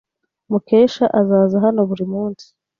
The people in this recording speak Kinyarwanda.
Mukesha azaza hano buri munsi.